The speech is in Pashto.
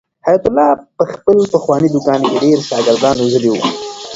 حیات الله په خپل پخواني دوکان کې ډېر شاګردان روزلي وو.